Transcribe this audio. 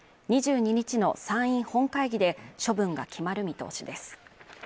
２２日の参院本会議で処分が決まる見通しです